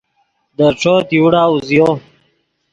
دے ݯوت یوڑا اوزیو